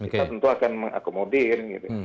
kita tentu akan mengakomodir